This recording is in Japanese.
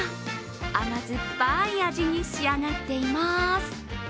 甘酸っぱい味に仕上がっています。